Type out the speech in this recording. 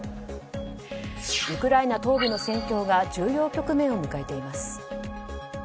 ウクライナ東部の戦況が重要局面を迎えています。